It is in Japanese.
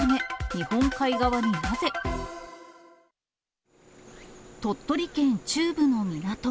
日本海側になぜ？鳥取県中部の港。